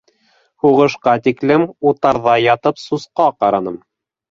Һуғышҡа тиклем, утарҙа ятып сусҡа ҡараным.